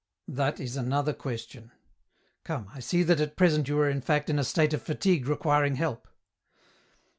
" That is another question. Come, I see that at present you are in fact in a state of fatigue requiring help."